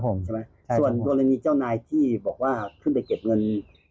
ส่วนตัวละนี้เจ้านายที่บอกว่าขึ้นไปเก็บเงิน